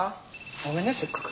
ごめんねせっかく。